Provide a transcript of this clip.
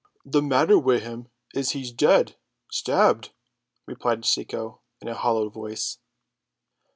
"The matter wi' him is he's dead, stabbed," replied Cecco in a hollow voice.